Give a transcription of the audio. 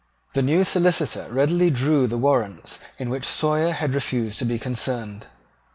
The new Solicitor readily drew the warrants in which Sawyer had refused to be concerned.